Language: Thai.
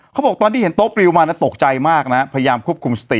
เขาบอกตอนที่เห็นโต๊ะปลิวมาตกใจมากนะพยายามควบคุมสติ